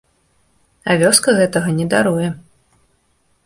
А вёска гэтага не даруе.